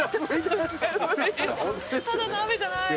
ただの雨じゃない。